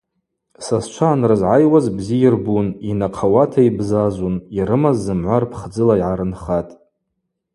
Сасчва анрызгӏайуаз бзи йырбун, йнахъауата йбзазун, йрымаз зымгӏва рпхдзыла йгӏарынхатӏ.